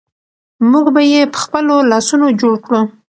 موږ به یې په خپلو لاسونو جوړ کړو.